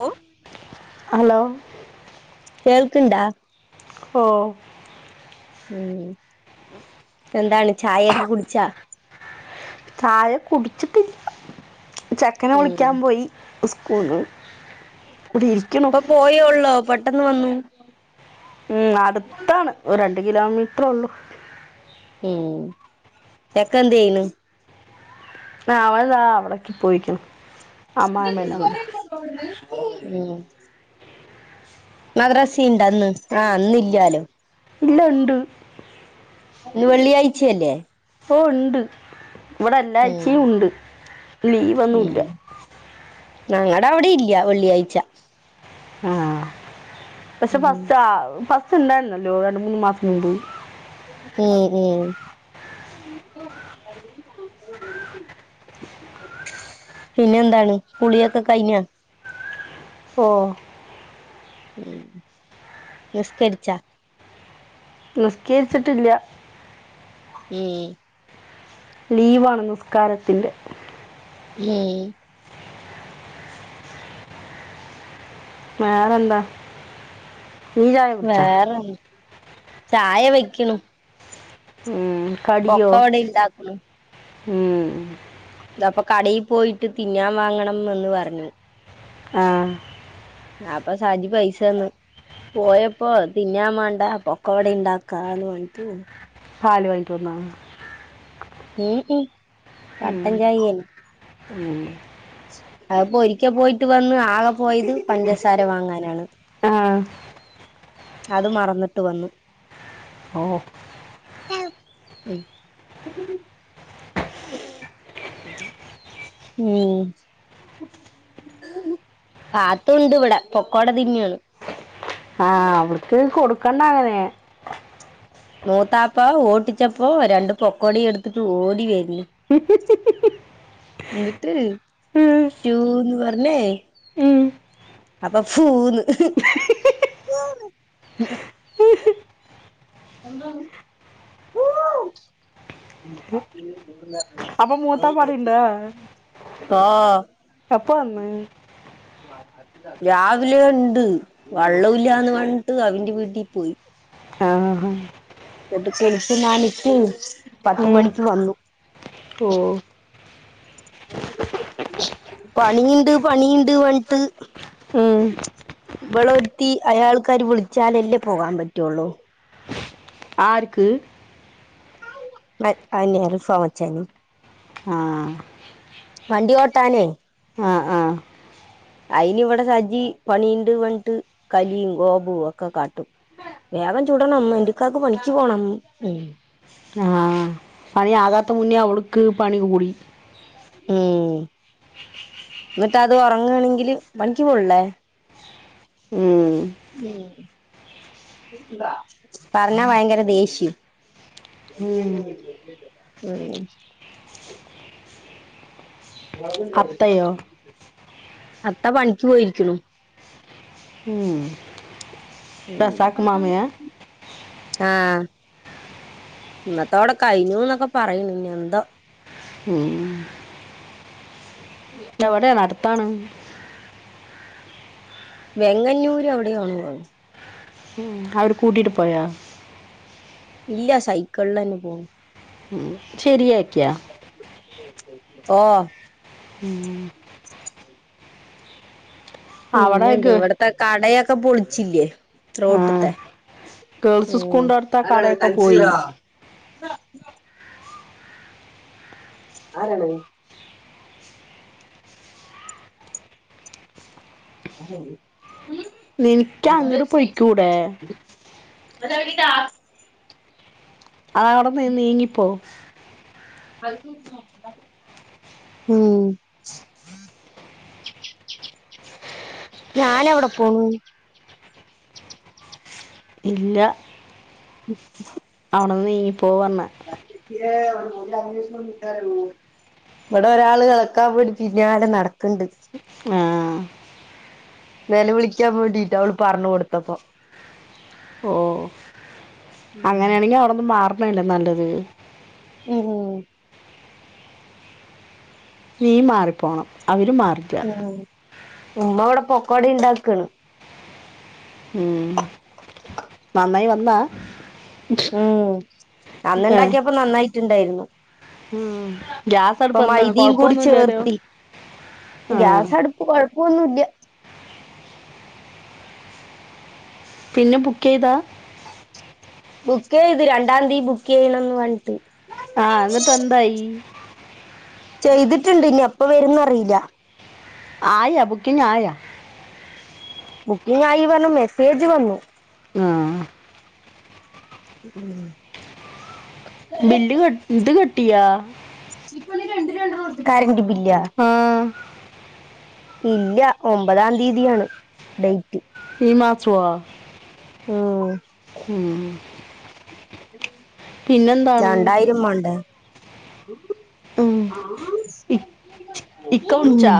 ഓ hello കേൾക്ക്ണ്ടാ? ഓഹ് ഉം എന്താണ് ചായയൊക്കെ കുടിച്ചാ. ചായ കുടിച്ച്ട്ടില്ല ചെക്കനെ ഉം വിളിക്കാൻ പോയി. ഉസ്കൂള് ഇവിടെ ഇരിക്ക്ണു ഇപ്പൊ പോയോള്ളോ പെട്ടെന്ന് വന്നു. ഉം അടുത്താണ് ഒരു രണ്ട് കിലോമീറ്ററൊള്ളു. ഉം ചെക്കന്തെയ്യ്ണ് അവൾതാ അവിടക്ക് പോയിക്കുന്നു. ഉം. മദ്രാസിണ്ട ഇന്ന് ആ ഇന്നില്ലാലോ. ഇല്ല ഇണ്ട്. ഇന്ന് വെളളി ആഴ്ച അല്ലെ. ഓഹ് ഇണ്ട് ഇവിടെ എല്ലാ ഉം ആഴ്ച്ചിം ഉണ്ട് ലീവൊന്നൂല. നങ്ങടെ അവിടെ ഇല്ല വെള്ളിയാഴ്ച. ആഹ് പക്ഷെ ഉം ഫസ്റ്റ് ആ ഫസ്റ്റ് ഉണ്ടായിരുന്നല്ലോ രണ്ട് മൂന്ന് മാസം മുമ്പ്. ഉം ഉം. പിന്നെന്താണ് കുളിയൊക്കെ കഴിഞ്ഞാ. ഓഹ് ഉം നിസ്കര്ച്ചാ. നിസ്കേര്ച്ച്ട്ടില്ല. ഏഹ് ലീവാണ് നിസ്കാരത്തിന്റെ ഏഹ് വേറെന്താ. നീ ചായ കുടിച്ചാ വേറെ ചായ വെക്ക്ണു ഉം കടിയോ ഒക്കെ അവിടെ ഇണ്ടാക്ക്ണു ഉം. അത അപ്പൊ കടേ പോയിട്ട് തിന്നാൻ വാങ്ങണംന്ന് ന്ന് പർഞ്ഞു. ആഹ്. ആപോ സാജി പൈസന്ന്. പോയപ്പോ തിന്നാൻ വേണ്ട പൊക്കവട ഉണ്ടാക്കാന്ന് പറ്, ഞ്ഞ് ട്. ഹാല് വാങ്ങിട്ട് വന്നതാണ്. ഉം ഉം. ഉം കട്ടൻ ഉം. അതിപ്പോഒരിക്കൽ പോയിട്ട് വന്ന് ആകെ പോയത് പഞ്ചസാര വാങ്ങാനാണ്. ആഹ്. അത് മറന്നിട്ട് വന്നു. ഓ. [unintelligible] ഉം ഉം പാത്തുണ്ട് ഇവിടെ പൊക്കോട തിന്നാണ് ആഹ അവര് ക്ക് കൊടുക്കണ്ട അങ്ങനെ മൂത്താപ്പ ഓട്ടിച്ചപ്പോ രണ്ട പൊക്കോടിയ എടുത്തിട്ട് ഓടി വരി എന്നിട്ട് ഉം. ഷൂന്ന് പറഞ്ഞേ ഉം. അപ്പൊ പൂന്ന് അപ്പൊ മൂത്ത പാടുണ്ടോ [unintelligible] ഓ പ പ്പ വന്ന് രാവിലെ ഉണ്ട് വള്ളല്ലന്ന് പറഞ്ഞിട്ട് അവന്റെ വീട്ടിൽ പോയി ആഹ ഇട്ട് കുളിച് നണിട്ട് പത്ത് ഉം. മണിക്ക് വന്നു ഓ പണിയണ്ട് പണിയണ്ട് വണ്ടിട്ട് ഉം. വിള എത്തി അയാൾക്കാാര് വിളിച്ചാലല്ലേ പോകാൻ പറ്റുള്ളൂ ആർക്ക് അന്ിയർ റിഫോം വച്ചാാണ് ആ വണ്ടി ഓ ട്ടാനേ ആഹ് ആഹ അയിനി ഇവിടെ സജി പണീണ്ട് വണിട്ട് കലിയും ഗോപു ഒക്കെ കാട്ടും വേഗം ചൂടണം എന്റെക്കാക്ക് പണിക്ക് പോണം ഉം ആഹ പണി ആ കാത്ത മുന്നേ അവളക്ക് പണി കൂടി ഉം എന്നിട്ട് അത് ഉറങ്ങയാണെങ്കില് പണി ക്ക് പോണി ല്ലേ ഉം ഉ പറഞ്ഞാ ഭയങ്കര ദേഷ്യം ഉം. ഉം അത്തയോ അത്താ പണിക്ക് പോയിരിക്കുന്നുു ഉം ഉം റസാക്ക് മാമയാ ആഹ ഇന്നത്തോടെ കഴിഞ്ഞു എന്നൊക്കെ പറയണ ഇനി എന്തോ ഉം ല്ല വിടെയാണ് അട് ത്താണ് വെങ്ങന്നൂര് അവിടെ ആണത് അവര് കൂട്ടിട്ട് പോയാ ഇല്ല സൈക്കിളിൽ തന്നെ പോവും ഉ ശരിയാക്കിയാ ഓ ഉം അവിടെ പിന്നെന്ത് ഗേ- ഇവിടത്തെ കടയൊക്കെ പൊളിച്ചില്ലേ ആ, റോഡ് ത്തെ ഉ ഗേൾസ് സ്കൂളിന്റെ അടുത്ത ആ അരാണ് കടയൊക്കെ തൻസീറ പോയി ആരാണഹ് ആര് നിനക്ക് അങ്ങോട്ട് പോയ്ക്കൂടെ [unintelligible] അ അവിടെന്ന്ന്ന് നീങ്ങിപ്പോവും ഉം ഞാന എവിടെ പോണ് ഇല്ല [inaudible] അവിടെന്ന് നീങ്ങി പോ പറഞ്ഞെ [unintelligible] ഇവിടെ ഒരാള് നടക്കാൻ പടിപ്പിക്കാണ്ട് നടക്ക്ണ്ട് ആഹ് നെല വിളിക്കാൻ വേണ്ടിട്ട് അവള് പറഞ്ഞു കൊടുത്തപ്പൊ അങ്ങനെയാണെങ്കി അവിടന്ന് മാറണല്ലേ നല്ലത് ഉം ഉം നീ മാറിപ്പോണം അവര് മാറി ഉം ഉമ്മ ഇവിടെ പൊക്കോട ഇണ്ടാക്കേണ് ഉം [inaudible] നന്നായി വന്ന? ഉം അന്ന് ഏ, ഇണ്ടാക്കിയപ്പോ നന്നായിട്ടുണ്ടായിരുന്നു ഉം. ഗ്യാസ് പ്പൊ അടുപ്പ് എന്താണ് മൈദീം കൂടി കുഴപ്പമൊന്നുമില്ലല്ലോ ചേർത്തി ആ ഗ്യാസ് അടു കുഴപ്പൊന്നുഇല്ല പിന്നെ ബുക്ക് ചെയ്താ ബുക്ക് ചെയ്ത് രണ്ടാം തീ ബുക്ക് ചെയ്യണം ന്ന് പറ്ഞ്ഞ്ട്ട് ആഹ് എന്നിട്ട് എന്തായി ചെയ്തിട്ട്ണ്ട് ഇനി എപ്പ വരുന്നറില്ല ആയ ബുക്കിങ്ങായ? ബുക്കിംഗ് ആയി പറഞ് മെസ്സേജ് വന്നു ആഹ് ഉം ബില്ല് കെ ഇത് കെട്ടിയാ? [unintelligible] കരണ്ട് ബില്ല ആഹ് ഇല്ല ഒമ്പതാം തീയതിയാണ് ഡേയ്റ്റ് ഈ മാസുവാ? ഉം ഉം രണ്ടായിരം മാണ്ടേ ഉം. ആഹ് ഇ- ഇക്ക ഉം വിളിച്ചാ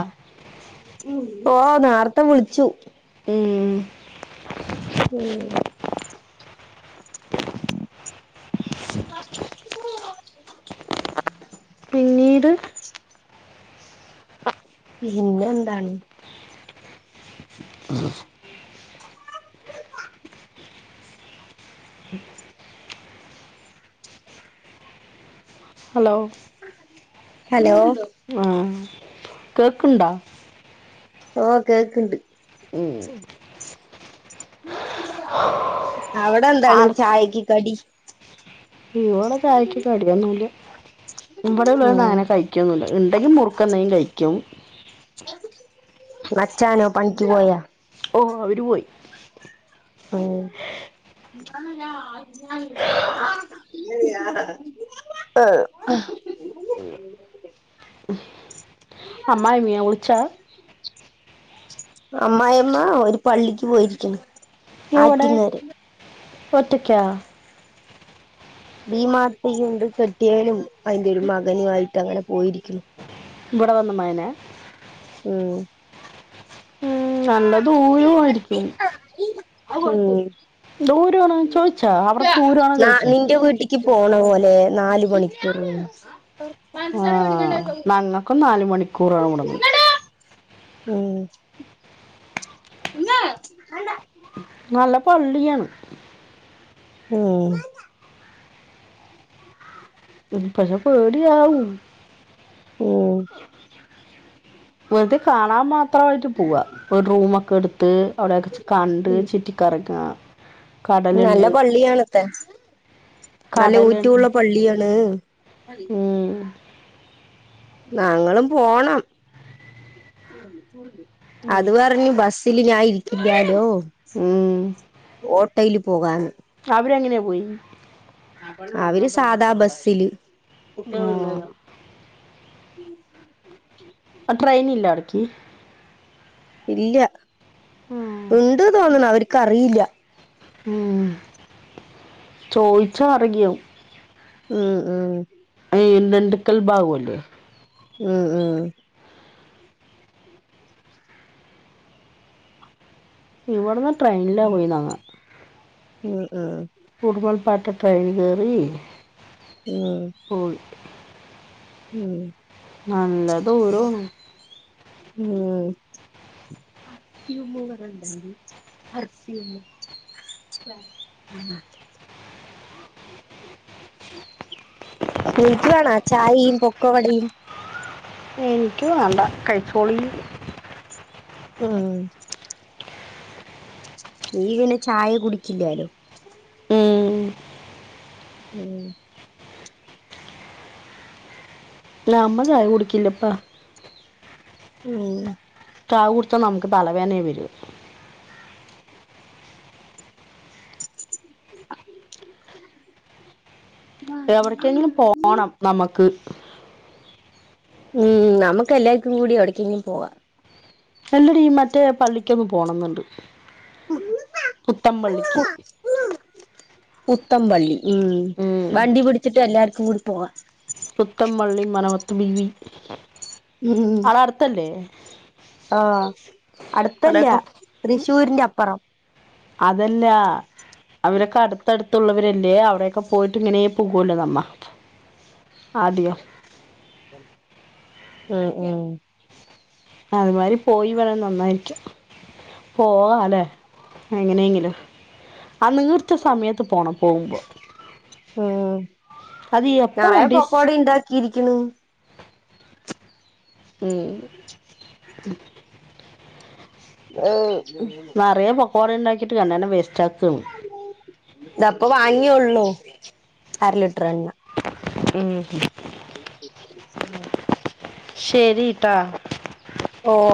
ഓഹ് ന്നാർത്തെ വിള്ച്ചു ഉം ഉം പിന്നീട് പിന്നെന്താണ് ഹലോ ഹലോ ആഹ് കേക്ക്ണ്ടോ ഓഹ് കേക്ക്ണ്ട് ഉം അവ്ടെന്താണ് ആളെ ചായക്ക് കടി ഇവോടെ ചായക്ക് കടിയൊന്നുല ഇവടെ ഉള്ളോരൊന്നും ഉം അങ്ങനെ കയ് കയ്ക്കൊന്നുല ഇണ്ടെങ്കി മുറുക്കന്തെലും കയിക്കും മച്ചാനോ പണിക്ക് പോയ ഓഹ് അവര് പോയി ഓഹ് ആഹ് അമ്മായിയമ്മയവിളിച്ചെ അമ്മായിമ്മ ഓര് പള്ളിക്ക് പോയിരിക്ക്ണ് എവടെ ഒറ്റക്ക്യ ഈ മാസത്തെ ഇന്ദു സദ്യലും അയന്റെരു മകനുയിട്ട് അങ്ങനെ പോയിരിക്കുന്നു ഇവിടെ വന്ന മകന ഉം ഉം നല്ലത് അത് കൊടുത്തോ ഉം ദൂരമാണോ ചോദിച്ചാ ഇല്ല അവിടെ ദൂരമാണോ ന്നാ ചോദിച്ചാ നിന്റെ വീട്ടി പോണ പോലെ നാല് മണിക് ഇറങ് ആഹ് നങ്ങക്കും നാല് മണിക്കൂറാണ് വ്ട്ന്ന് ഉം ഇന്നാ വേണ്ട നല്ല പള്ളിയാണ് ഉം പക്ഷേ പേടിയാവും ഉം വെറുതെ കാണാൻ മാത്രമായിട്ട് പോവ ഒരു റൂമൊക്കെ ട്ത്ത് അവിടെക്കെ കണ്ട് ചുറ്റി കറങ്ങാ നല്ല പള്ളിയണത്തെ നല്ല കടലുണ്ട് ഊറ്റുള്ള പള്ളിയാണ് ഉം നങ്ങളും പോണം ഉം അത് പറഞ്ഞ് ബസില് ഞാൻ ഇരിക്കില്ലാലോ ഉം. ഓട് ട്ടോയിൽ പോകാന്ന് അവര് എങ്ങനെ പോയി അവര് സാധാ ബസില് കുട്ടിൾ ആഹ് ഇണ്ടെയിന്നെ ഉം ട്രെയിനില്ലേ അവിക്ക് ഇല്ല ഉം ഉണ്ട് തോന്നണു അവർക്ക്റിയില്ല ഉം ചോയിച്ച അറിയും ഉം ഉം അഹ് ന്തണ്ടക്കൽ ബാവ്അല്ലേ ഉം ഉം ഇവിടുന്ന് ട്രെയിനില പോയി നങ്ങ ഉം ഉം കുടുമൽ പാട്ട ട്രൈൻ കേറി ഉം പോയി ഉം നല്ല ദൂരണ് ഉം പെർഫ്യൂം വെറെ ഉണ്ടെങ്കി പെർഫ്യൂം സ്പ്രേ ആഹ് നിഞ്ച് വേണ ചായയും പൊക്കവടയും. എനിക്ക് വണ്ട കൈച്ചോളി ഉം നീ പിന്നെ ചായ കുടിക്കില്ലാലോ ഉം. ഉം. നമ്മള് ചായ കുടിക്കില്ല ഇപ്പ. ഉം. ചാവുടിച്ച നമുക്ക് തലവേനെ വെരും. അഹ്. എവടക്കെങ്കിലും പോണം നമ്മക്ക്. ഉം നമുക്ക് എല്ലാവർക്കും കൂടി എവിടക്കെങ്കിലും പോവാ. എല്ലടീ മറ്റേ പള്ളിക്കൊന്ന് പോണംന്ന്ണ്ട് പുത്തം പള്ളിക്ക്. പുത്തംപള്ളി ഉം ഉം. വണ്ടി പിടിച്ചിട്ട് എല്ലാർക്കും കൂടി പോവാ. പുത്തംപള്ളി മനവത്ത് ബീവി ഉം അടെ അട്ത്തല്ലേ. ആഹ് അടുത്തല്ല തൃശ്ശൂരിന്റെ അപ്പറം. അതല്ല അവരൊക്കെ അടു ത്തടുത്തുള്ളവരല്ലേ അവിടെക്കെ പോയിട്ട് ഇങ്ങനെ പോകൊല്ലോ നമ്മ ആദ്യോ. ഉം ഉം. [inaudible] അത്മാരി പോയി വരാം നന്നായിരിക്കും. പോവാലെ എങ്ങനെങ്ങിലും അന്നിർ - റ്റ് സമയത്ത് പോണം പോകുമ്പോ ഉം അത് എപ്പള വണ്ടീശ് ക്കിരിക്കണ്. ഉം. ഈഹ്. നറയെ പോകോട ഇണ്ടാക്കിട്ട് രണ്ടണ്ണം വേസ്റ്റാക്കാണ്. ഇതാപ്പൊ വാങ്ങിയെള്ളൂ അര ലിറ്റർ എണ്ണ. ഉം. ഓഹ്.